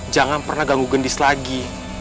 jangan pernah ganggu gendis lagi